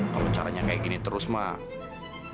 kalau caranya kayak gini terus mah